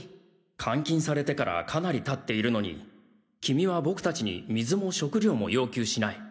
監禁されてからかなり経っているのにきみは僕達に水も食料も要求しない。